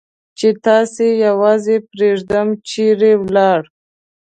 چې تاسې یوازې پرېږدم، چېرې ولاړ؟